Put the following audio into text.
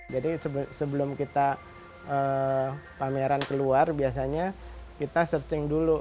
jadi sebelum kita pameran keluar biasanya kita searching dulu